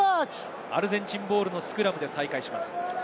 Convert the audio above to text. アルゼンチンボールのスクラムで再開します。